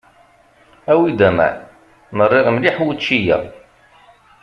Awi-d aman, merriɣ mliḥ wučči-a.